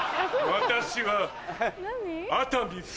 私は。